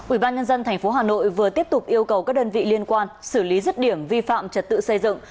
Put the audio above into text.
ủy ban nhân dân tp hà nội vừa tiếp tục yêu cầu các đơn vị liên quan xử lý rứt điểm vi phạm trật tự xây dựng